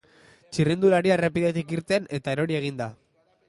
Txirrindularia errepidetik irten, eta erori egin da.